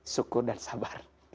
syukur dan sabar